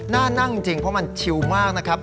น่านั่งจริงเพราะมันชิวมากนะครับ